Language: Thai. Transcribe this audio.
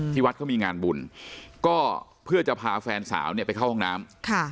วัดเขามีงานบุญก็เพื่อจะพาแฟนสาวเนี่ยไปเข้าห้องน้ำ